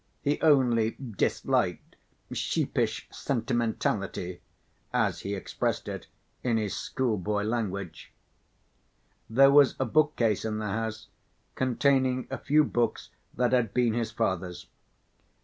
He only disliked "sheepish sentimentality," as he expressed it in his schoolboy language. There was a bookcase in the house containing a few books that had been his father's.